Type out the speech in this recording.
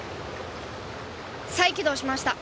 再起動しました。